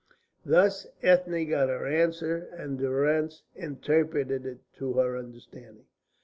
Thus Ethne got her answer, and Durrance interpreted it to her understanding.